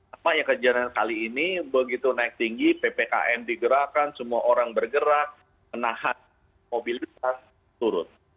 apa yang kejadian kali ini begitu naik tinggi ppkm digerakkan semua orang bergerak menahan mobilitas turun